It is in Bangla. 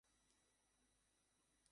ক্রয়-বিক্রয় করতে লাগলেন।